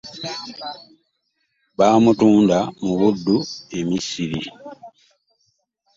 Bamutunda mu buddu emisiri .